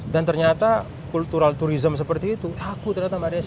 dan ternyata kultural turism seperti itu laku ternyata mbak desy